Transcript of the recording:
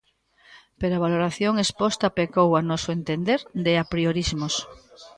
Pero a valoración exposta pecou, ao noso entender, de apriorismos.